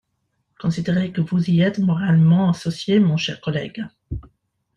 Considérez que vous y êtes moralement associé, mon cher collègue.